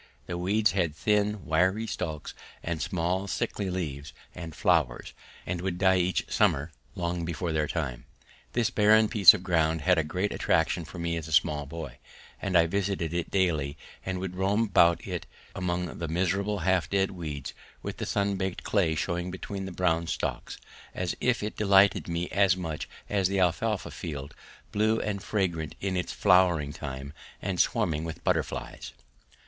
These weeds had thin wiry stalks and small sickly leaves and flowers, and would die each summer long before their time. This barren piece of ground had a great attraction for me as a small boy, and I visited it daily and would roam about it among the miserable half dead weeds with the sun baked clay showing between the brown stalks, as if it delighted me as much as the alfalfa field, blue and fragrant in its flowering time and swarming with butterflies.